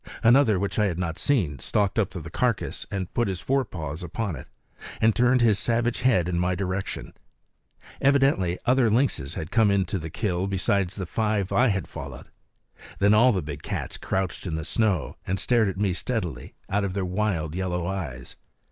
Another, which I had not seen, stalked up to the carcass and put his fore paws upon it, and turned his savage head in my direction. Evidently other lynxes had come in to the kill beside the five I had followed. Then all the big cats crouched in the snow and stared at me steadily out of their wild yellow eyes.